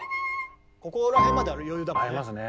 ここら辺まである余裕だもんね。